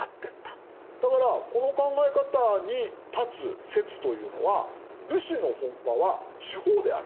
だからこの考え方に立つ説というのは武士の本場は地方である。